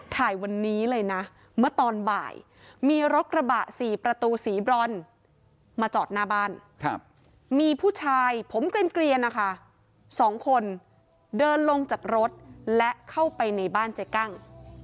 ถ่ายวันนี้เลยนะเมื่อตอนบ่ายมีรถกระบะ๔ประตูสีบรอนมาจอดหน้าบ้านมีผู้ชายผมเกลียนนะคะ๒คนเดินลงจากรถและเข้าไปในบ้านเจ๊กั้ง